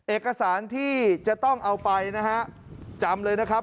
เอกสารที่จะต้องเอาไปนะฮะจำเลยนะครับ